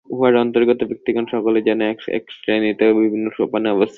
উহার অন্তর্গত ব্যক্তিগণ সকলেই যেন এক এক শ্রেণীতে ও বিভিন্ন সোপানে অবস্থিত।